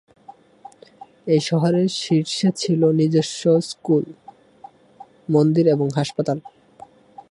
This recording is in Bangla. এই শহরের শীর্ষে ছিল নিজস্ব স্কুল, মন্দির এবং হাসপাতাল।